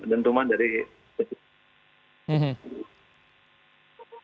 dentuman dari petir